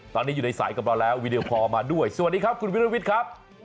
ตอนนี้อยู่ในสายกับเราแล้ววีดีโอคอลมาด้วยสวัสดีครับคุณวิรวิทย์ครับ